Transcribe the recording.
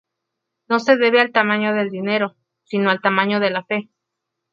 No se debe al tamaño del dinero, sino al tamaño de la fe.